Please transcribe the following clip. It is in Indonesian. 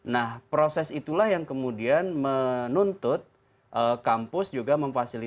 nah proses itulah yang kemudian menuntut kampus juga memfasilitasi